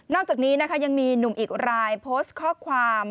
จากนี้นะคะยังมีหนุ่มอีกรายโพสต์ข้อความ